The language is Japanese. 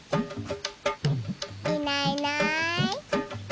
いないいない。